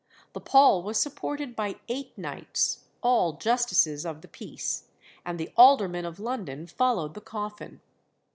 The pall was supported by eight knights, all justices of the peace, and the aldermen of London followed the coffin.